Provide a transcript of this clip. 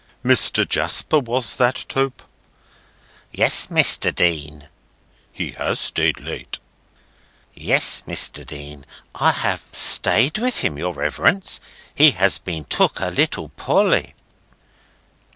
"Mr. Jasper was that, Tope?" "Yes, Mr. Dean." "He has stayed late." "Yes, Mr. Dean. I have stayed for him, your Reverence. He has been took a little poorly."